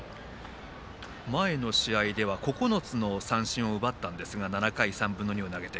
前の試合では９つの三振を奪ったんですが７回３分の２を投げて。